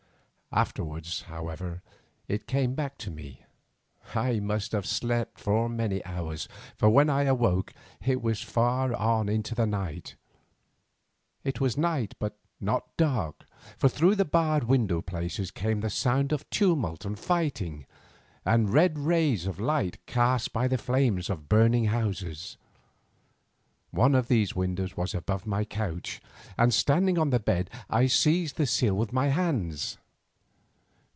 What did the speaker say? Afterwards, however, it came back to me. I must have slept for many hours, for when I awoke it was far on into the night. It was night but not dark, for through the barred window places came the sound of tumult and fighting, and red rays of light cast by the flames of burning houses. One of these windows was above my couch, and standing on the bed I seized the sill with my hands.